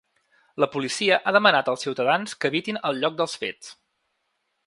La policia ha demanat als ciutadans que evitin el lloc dels fets.